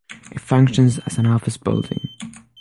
It functions as an office building.